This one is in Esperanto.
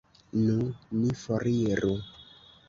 Nu, ni foriru!